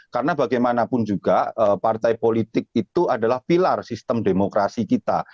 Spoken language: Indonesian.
karena bagaimanapun juga partai politik itu adalah pilar sistem demokrasi kita